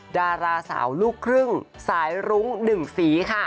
ดาราสาวลูกครึ่งสายรุ้ง๑สีค่ะ